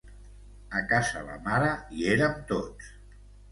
A casa la mare hi érem tots.